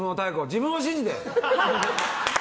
自分を信じて！